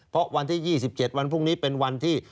เพราะวันที่๒๗วันพรุ่งนี้เป็นวันที่